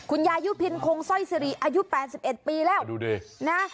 คุณยายูพินคงซ่อยซีรีย์อายุแปดสิบเอ็ดปีแล้วดูดินะ